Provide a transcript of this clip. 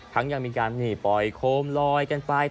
ทั้งยังมีการนี่ปล่อยโคมลอยกันไป